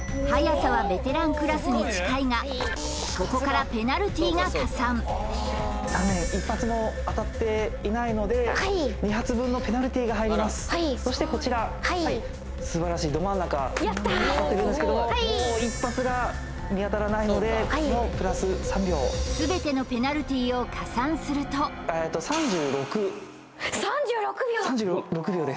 速さはベテランクラスに近いがここからペナルティが加算残念１発も当たっていないので２発分のペナルティが入りますそしてこちらすばらしいど真ん中に当たってるんですけどももう１発が見当たらないのでここもプラス３秒すべてのペナルティを加算すると３６秒です３６秒！